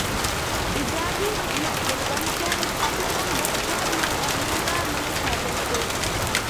ئىجادىي خىزمەت بولغانىكەن، چوقۇم باشقىلار ماڭغان يولدا مېڭىش ھاجەتسىز.